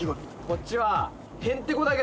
こっちは。